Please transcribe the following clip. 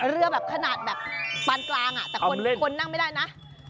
เรือแบบขนาดแบบปานกลางแต่คนนั่งไม่ได้นะ